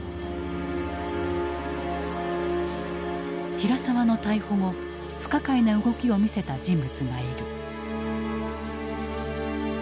平沢の逮捕後不可解な動きを見せた人物がいる。